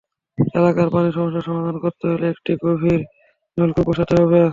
এলাকার পানি সমস্যার সমাধান করতে হলে একটি গভীর নলকূপ বসাতে হবে।